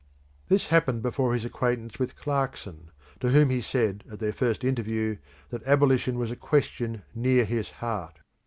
This happened before his acquaintance with Clarkson, to whom he said at their first interview that abolition was a question near his heart.